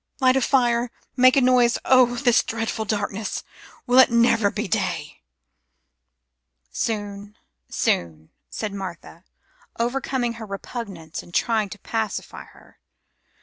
"Light a fire, make a noise; oh, this dreadful darkness! Will it never be day!" "Soon, soon," said Martha, overcoming her repugnance and trying to pacify her.